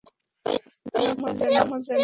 আমি তার নামও জানি না।